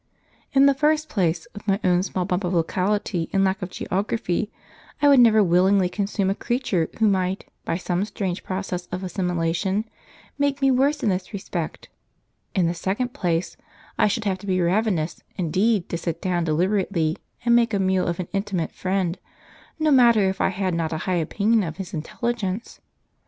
In the first place, with my own small bump of locality and lack of geography, I would never willingly consume a creature who might, by some strange process of assimilation, make me worse in this respect; in the second place, I should have to be ravenous indeed to sit down deliberately and make a meal of an intimate friend, no matter if I had not a high opinion of his intelligence.